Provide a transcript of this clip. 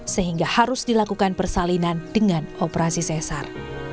sehingga harus dilakukan persalinan dengan operasi sesar